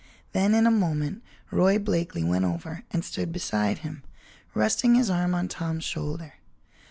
Then, in a moment, Roy Blakeley went over and stood beside him, resting his arm on Tom's shoulder.